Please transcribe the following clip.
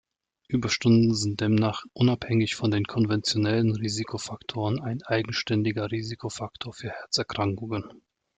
Überstunden sind demnach unabhängig von den konventionellen Risikofaktoren ein eigenständiger Risikofaktor für Herzerkrankungen.